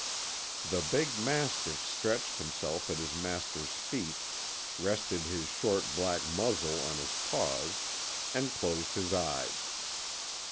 The big mastiff stretched himself at his master's feet, rested his short black muzzle on his paws, and closed his eyes.